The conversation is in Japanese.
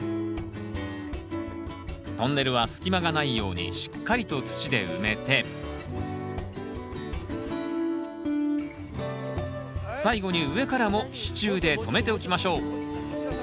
トンネルは隙間がないようにしっかりと土で埋めて最後に上からも支柱で留めておきましょう